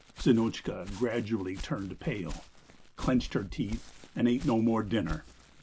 Zinotchka gradually turned pale, clenched her teeth, and ate no more dinner.